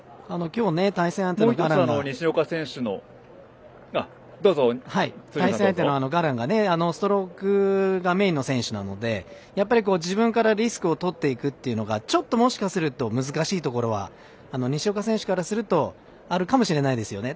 対戦相手のガランがストロークがメインの選手なのでやっぱり、自分からリスクをとっていくっていうのがちょっともしかすると難しいところは西岡選手からするとあるかもしれないですよね。